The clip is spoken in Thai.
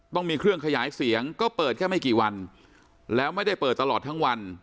ต้องมีเครื่องขยายเสียงก็เปิดแค่ไม่กี่วันแล้วไม่ได้เปิดตลอดทั้งวัน